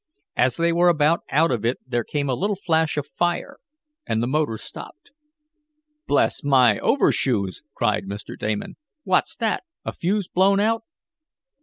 As they were about out of it there came a little flash of fire and the motor stopped. "Bless my overshoes!" cried Mr. Damon. "What's that; a fuse blown out?"